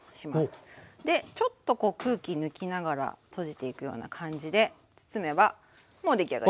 でちょっとこう空気抜きながら閉じていくような感じで包めばもう出来上がり。